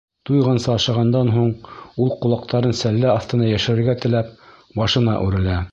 Туйғансы ашағандан һуң, ул ҡолаҡтарын сәллә аҫтына йәшерергә теләп, башына үрелә.